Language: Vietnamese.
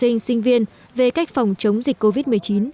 học sinh sinh viên về cách phòng chống dịch covid một mươi chín